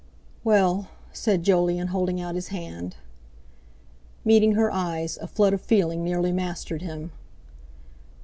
"Well!" said Jolyon holding out his hand. Meeting her eyes, a flood of feeling nearly mastered him.